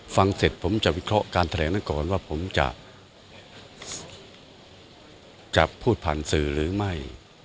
เสร็จผมจะวิเคราะห์การแถลงนั้นก่อนว่าผมจะพูดผ่านสื่อหรือไม่